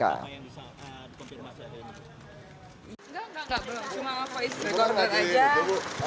enggak enggak cuma voice recorder saja